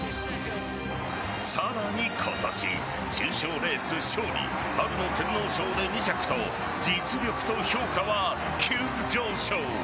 さらに今年、重賞レース勝利春の天皇賞で２着と実力と評価は急上昇。